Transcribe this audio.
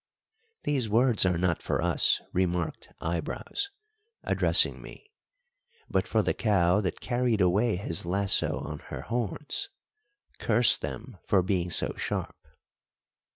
"These words are not for us," remarked Eyebrows, addressing me, "but for the cow that carried away his lasso on her horns curse them for being so sharp!"